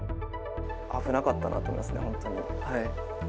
危なかったなと思いますね、本当に。